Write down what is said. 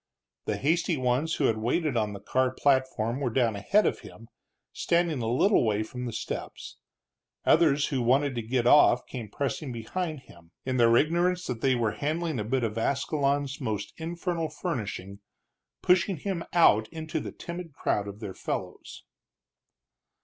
The hasty ones who had waited on the car platform were down ahead of him, standing a little way from the steps; others who wanted to get off came pressing behind him, in their ignorance that they were handling a bit of Ascalon's most infernal furnishing, pushing him out into the timid crowd of their fellows.